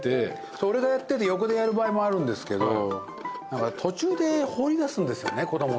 俺がやってて横でやる場合もあるんですけど何か途中で放り出すんですよね子供ってね。